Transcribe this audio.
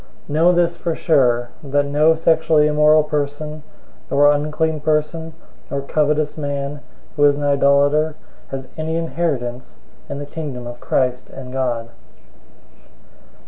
005:005 Know this for sure, that no sexually immoral person, nor unclean person, nor covetous man, who is an idolater, has any inheritance in the Kingdom of Christ and God.